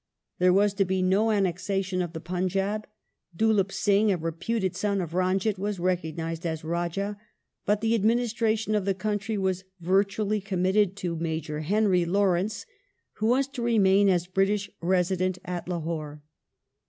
There was to be no annexation of the Punjab; Dhulip Singh, a reputed son of Ranjit, was recognized as Rajji, but the administration of the country was virtually committed to Major Henry Lawrence, who was to remain as British Resident at Lahore.